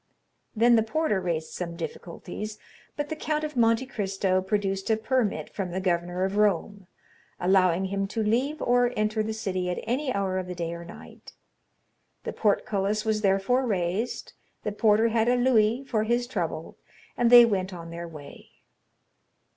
Then the porter raised some difficulties, but the Count of Monte Cristo produced a permit from the governor of Rome, allowing him to leave or enter the city at any hour of the day or night; the portcullis was therefore raised, the porter had a louis for his trouble, and they went on their way.